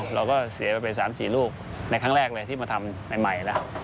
เราก็เสียไปเป็น๓๔ลูกในครั้งแรกเลยที่มาทำใหม่แล้ว